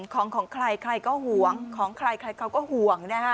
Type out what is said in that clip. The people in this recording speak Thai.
ของของใครใครก็ห่วงของใครใครเขาก็ห่วงนะฮะ